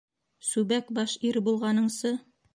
Сүбәк баш ир булғаныңсы